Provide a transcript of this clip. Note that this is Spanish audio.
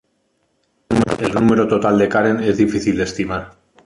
El número total de Karen es difícil de estimar.